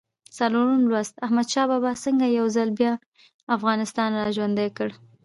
څلورم لوست: احمدشاه بابا څنګه یو ځل بیا افغانستان را ژوندی کړ؟